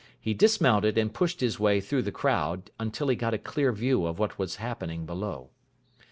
He dismounted and pushed his way through the crowd until he got a clear view of what was happening below.